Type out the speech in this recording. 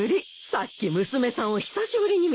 さっき娘さんを久しぶりに見たわ。